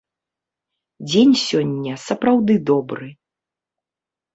Дзень сёння сапраўды добры.